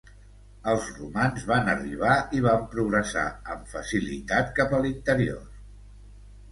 Els romans van arribar i van progressar amb facilitat cap a l'interior.